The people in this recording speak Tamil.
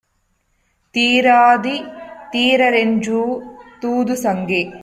தீராதி தீரரென் றூதூது சங்கே!